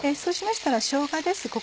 そうしましたらしょうがです